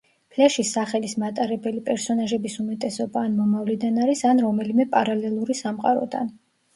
ფლეშის სახელის მატარებელი პერსონაჟების უმეტესობა ან მომავლიდან არის ან რომელიმე პარალელური სამყაროდან.